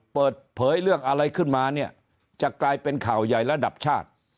เปิดเผยเรื่องอะไรขึ้นมาเนี่ยจะกลายเป็นข่าวใหญ่ระดับชาติ